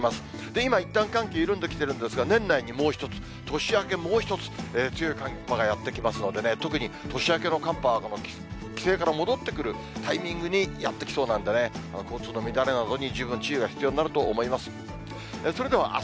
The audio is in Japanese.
今、いったん、寒気緩んできてるんですが、年内にもう一つ、年明けもう１つ、強い寒波がやって来ますのでね、特に年明けの寒波は、帰省から戻ってくるタイミングにやって来そうなんでね、交通の乱れなどに十分注意が必要になると思います。